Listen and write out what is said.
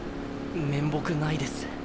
面目ないです。